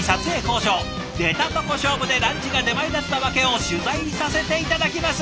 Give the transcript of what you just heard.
出たとこ勝負でランチが出前だった訳を取材させて頂きます！